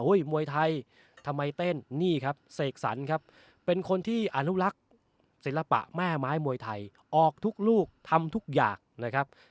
มวยไทยทำไมเต้นนี่ครับเสกสรรครับเป็นคนที่อนุรักษ์ศิลปะแม่ไม้มวยไทยออกทุกลูกทำทุกอย่างนะครับ